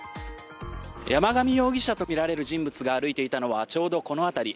山上容疑者とみられる人物が歩いていたのはちょうどこの辺り。